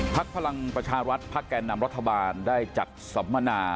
ทัพพลังประชารัติภาคแก่นนำรัฐบาลได้จัดสมนา